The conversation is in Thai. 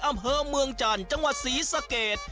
อำเภอเมืองจันทร์จังหวัดศรีสะเกด